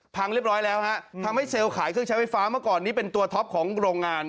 พังเรียบร้อยแล้วฮะทำให้เซลล์ขายเครื่องใช้ไฟฟ้าเมื่อก่อนนี้เป็นตัวท็อปของโรงงาน